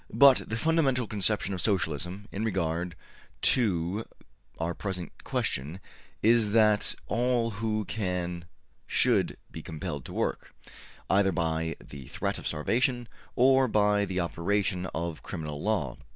But the fundamental conception of Socialism, in regard to our present question, is that all who can should be compelled to work, either by the threat of starvation or by the operation of the criminal law.